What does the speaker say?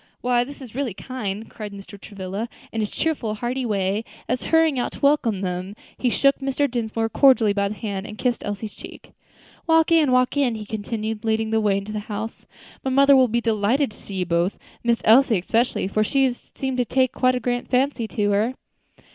Why this is really kind," cried Mr. Travilla, in his cheerful, hearty way, as, hurrying out to welcome them, he shook Mr. Dinsmore cordially by the hand, and kissed Elsie's cheek. "Walk in, walk in," he continued, leading the way into the house, "my mother will be delighted to see you both; Miss Elsie especially, for she seems to have taken a very great fancy to her."